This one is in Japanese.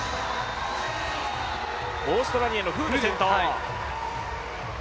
オーストラリアのフールが先頭。